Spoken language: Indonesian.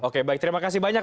oke baik terima kasih banyak